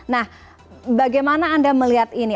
nah bagaimana anda melihat ini